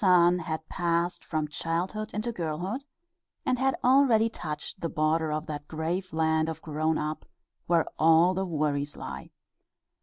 ] had passed from childhood into girlhood, and had already touched the border of that grave land of grown up, where all the worries lie.